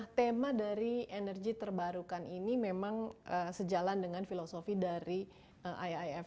nah tema dari energi terbarukan ini memang sejalan dengan filosofi dari iif